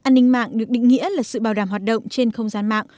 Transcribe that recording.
an ninh mạng được định nghĩa là sự bảo đảm hoạt động trên không gian mạng